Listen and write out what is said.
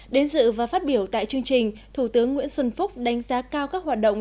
đến dự và phát biểu tại chương trình thủ tướng nguyễn xuân phúc đánh giá cao các hoạt động